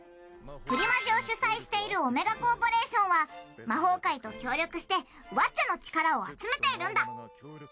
プリマジを主催しているオメガ・コーポレーションは魔法界と協力してワッチャの力を集めているんだ。